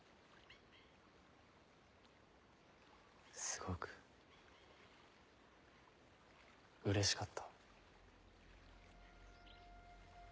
すごくうれしかった。